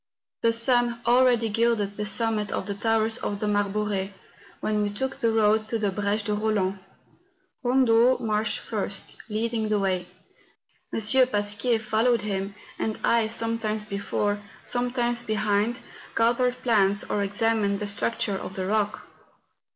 The sun already gilded the summit of the towers of the Marbore, when we took the road to the Breche de Eoland. Eondo marched first, leading the way. M. Pasquier followed him, and I, sometimes before, sometimes behind, gathered plants or examined the structure of the rock.